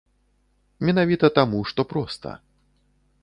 Менавіта таму, што проста.